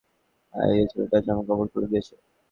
কে এই ছেলেটার জামাকাপড় খুলে দিয়েছে।